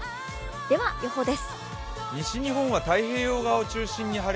では、予報です。